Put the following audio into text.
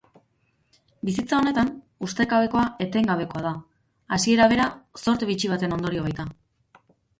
Bizitza honetan ustekabekoa etengabea da, hasiera bera zorte bitxi baten ondorio baita.